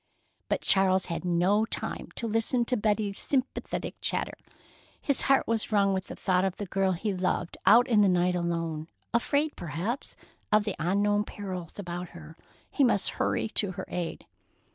But Charles had no time to listen to Betty's sympathetic chatter. His heart was wrung with the thought of the girl he loved out in the night alone, afraid perhaps of the unknown perils about her. He must hurry to her aid.